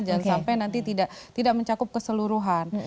jangan sampai nanti tidak mencakup keseluruhan